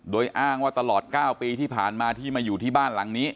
โดยอ้างว่าตลอด๙ปีที่ผ่านมาที่มาอยู่ที่บ้านหลังนี้